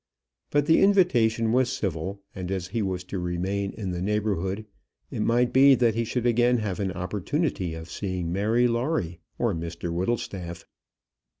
But the invitation was civil, and as he was to remain in the neighbourhood, it might be that he should again have an opportunity of seeing Mary Lawrie or Mr Whittlestaff.